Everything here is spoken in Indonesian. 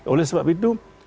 oleh sebab itu